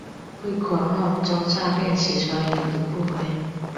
汇款后遭诈骗集团已读不回